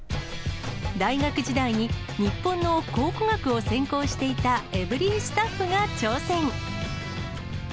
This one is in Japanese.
大学時代に、日本の考古学を専攻していたエブリィスタッフが挑戦。